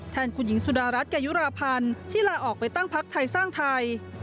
คุณหญิงสุดารัฐเกยุราพันธ์ที่ลาออกไปตั้งพักไทยสร้างไทย